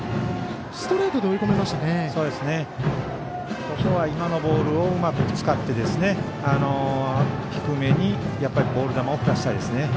ここは今のボールをうまく使って低めにボール球を振らせたいですね。